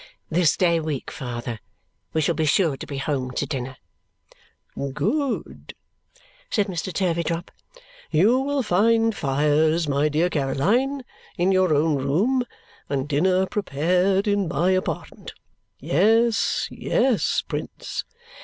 "This day week, father, we shall be sure to be home to dinner." "Good!" said Mr. Turveydrop. "You will find fires, my dear Caroline, in your own room, and dinner prepared in my apartment. Yes, yes, Prince!"